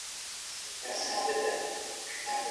که خلګ نوي مهارتونه زده کړي د کار پيدا کول ډېر اسانيږي.